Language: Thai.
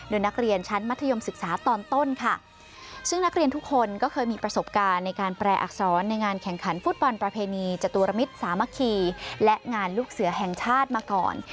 โดยนักเรียนชั้นมัธยมศึกษาตอนต้นค่ะซึ่งนักเรียนทุกคนก็เคยมีประสบการณ์ในการแปลอักษรในงานแข่งขันฟุตบอลประเพณีจตุรมิตรสามัคคีและงานลูกเสือแห่งชาติมาก่อน